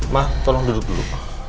ma tolong duduk dulu